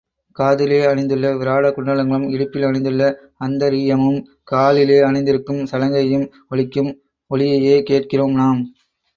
காதிலே அணிந்துள்ள விராட குண்டலங்களும், இடுப்பில் அணிந்துள்ள அந்தரீயமும், காலிலே அணிந்திருக்கும் சலங்கையும் ஒலிக்கும் ஒலியையே கேட்கிறோம் நாம்.